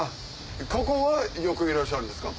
ここはよくいらっしゃるんですか？